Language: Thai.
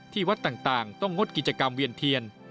วัดต่างต้องงดกิจกรรมเวียนเทียน